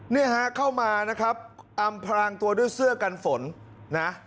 เนี่ยฮะเข้ามานะครับอำพรางตัวด้วยเสื้อกันฝนนะ